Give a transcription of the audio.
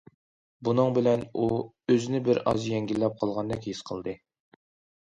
بۇنىڭ بىلەن ئۇ ئۆزىنى بىر ئاز يەڭگىللەپ قالغاندەك ھېس قىلدى.